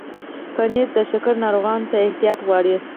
پنېر د شکر ناروغانو ته احتیاط غواړي.